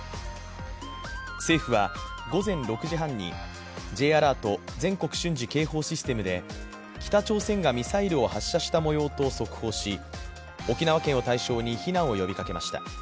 政府は午前６時半にＪアラート＝全国瞬時警報システムで、北朝鮮がミサイルを発射した模様と速報し、沖縄県を対象に避難を呼びかけました。